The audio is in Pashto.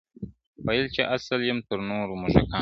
• ویل چي آصل یم تر نورو موږکانو,